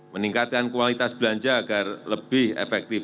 meningkatkan kualitas belanja agar lebih efektif